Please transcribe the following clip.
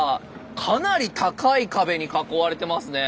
かなり高い壁に囲われてますね。